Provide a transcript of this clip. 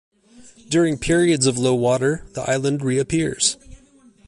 During periods of low water the island reappears.